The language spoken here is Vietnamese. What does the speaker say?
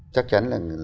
chắc chắn là